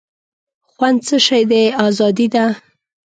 خوند څه شی دی آزادي ده.